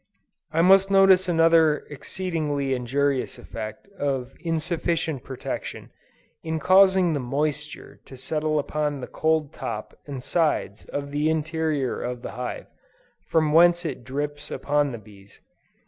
I must notice another exceedingly injurious effect of insufficient protection, in causing the moisture to settle upon the cold top and sides of the interior of the hive, from whence it drips upon the bees.